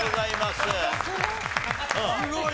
すごい！